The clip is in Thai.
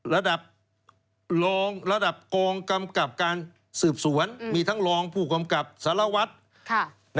ระดับรองระดับกองกำกับการสืบสวนมีทั้งรองผู้กำกับสารวัตร